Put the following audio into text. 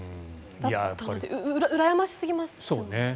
うらやましすぎます。